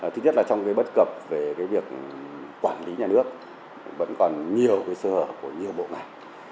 thứ nhất là trong bất cập về việc quản lý nhà nước vẫn còn nhiều sự hợp của nhiều bộ ngành